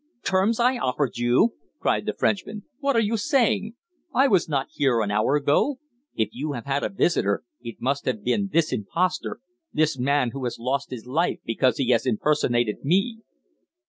"Terms I offered you!" cried the Frenchman. "What are you saying? I was not here an hour ago. If you have had a visitor, it must have been this impostor this man who has lost his life because he has impersonated me!"